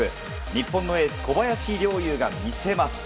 日本のエース小林陵侑が見せます。